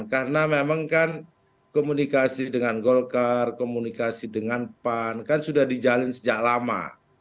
karena memang kan komunikasi dengan golkar komunikasi dengan pan kan sudah dijalin sejak lama